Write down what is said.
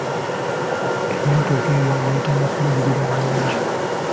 Emmotoka eyo yeetaaga kulabirira bulungi.